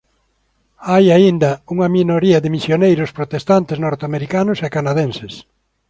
Hai aínda unha minoría de misioneiros protestantes norteamericanos e canadenses.